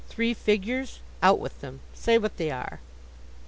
Three figures? Out with them. Say what they are.